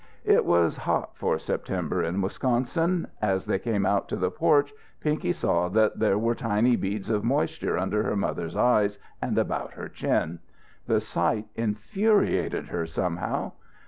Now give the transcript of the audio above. It was hot for September, in Wisconsin. As they came out to the porch Pinky saw that there were tiny beads of moisture under her mother's eyes and about her chin. The sight infuriated her somehow.